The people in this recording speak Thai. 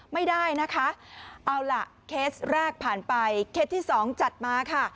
ไม่ได้นะคะเอาล่ะเคสแรกผ่านไปเคสที่สองจัดมาค่ะ